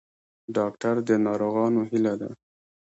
ډاکټر د ناروغانو هیله ده